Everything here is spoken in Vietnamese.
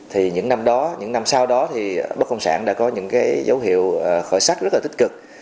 thì những năm đó những năm sau đó thì bất động sản đã có những dấu hiệu khỏi sắc rất là tích cực